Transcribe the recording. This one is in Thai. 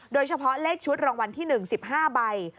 โดยเฉพาะเลขชุดรางวัลที่๑๑๕ใบ